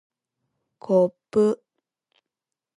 こっぷ